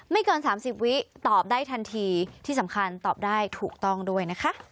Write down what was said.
เกินสามสิบวิตอบได้ทันทีที่สำคัญตอบได้ถูกต้องด้วยนะคะ